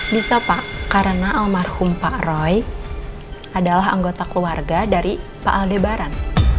bisa pak karena almarhum pak roy adalah anggota keluarga dari pak aldebaran